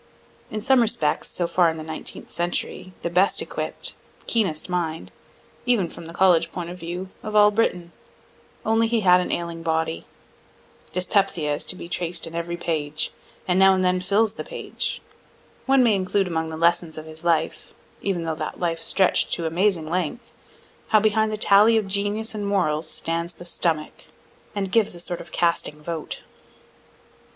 In some respects, so far in the Nineteenth century, the best equipt, keenest mind, even from the college point of view, of all Britain; only he had an ailing body. Dyspepsia is to be traced in every page, and now and then fills the page. One may include among the lessons of his life even though that life stretch'd to amazing length how behind the tally of genius and morals stands the stomach, and gives a sort of casting vote.